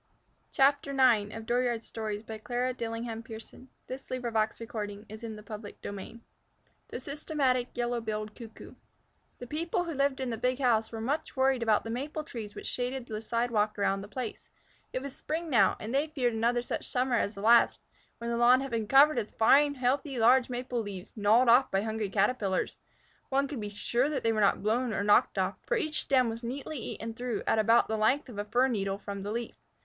Maybe they'll even come three!" But they didn't. They didn't come at all. And they never wanted corn meal mush again. THE SYSTEMATIC YELLOW BILLED CUCKOO The people who lived in the big house were much worried about the maple trees which shaded the sidewalk around the place. It was spring now, and they feared another such summer as the last, when the lawn had been covered with fine, healthy, large maple leaves, gnawed off by hungry Caterpillars. One could be sure they were not blown or knocked off, for each stem was neatly eaten through at about the length of a fir needle from the leaf.